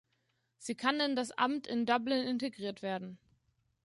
Sie kann in das Amt in Dublin integriert werden.